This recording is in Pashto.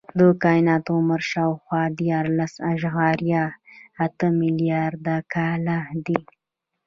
د کائنات عمر شاوخوا دیارلس اعشاریه اته ملیارده کاله دی.